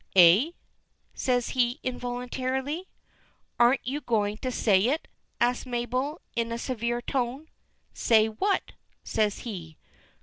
"Eh?" says he, involuntarily. "Aren't you going to say it?" asks Mabel, in a severe tone. "Say what?" says he.